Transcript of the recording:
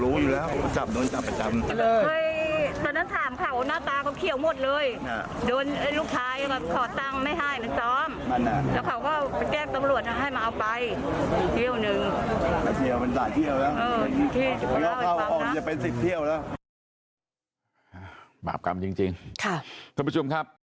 อื้ออย่าเข้าออกจะเป็นสิทธิ์เที่ยวแล้ว